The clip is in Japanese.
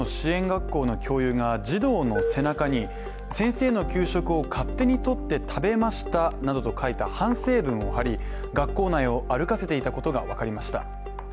学校の教諭が児童の背中に先生の給食を勝手に取って食べましたなどと書いた反省文を貼り、学校内を歩かせていたことが分かりました。